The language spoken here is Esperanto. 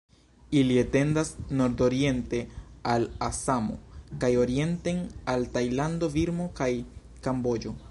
Ili etendas nordoriente al Asamo kaj orienten al Tajlando, Birmo kaj Kamboĝo.